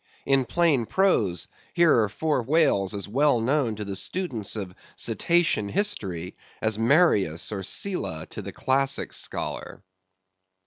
In plain prose, here are four whales as well known to the students of Cetacean History as Marius or Sylla to the classic scholar.